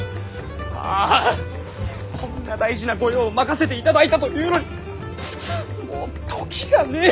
ああこんな大事な御用を任せていただいたというのにもう時がねぇ！